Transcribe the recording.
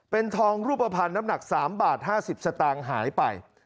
เป็นทองรูปภัณฑ์น้ำหนัก๓บาท๕๐สตางค์หายไป